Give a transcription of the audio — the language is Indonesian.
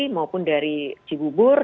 maupun dari cibubur